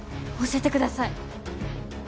教えてください。